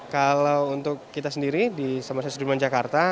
kalau untuk kita sendiri di samari sudirman jakarta